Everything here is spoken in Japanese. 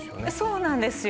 そうなんですよ